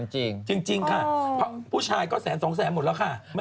จริงจริงค่ะผู้ชายก็แสนสองแสนหมดละค่ะ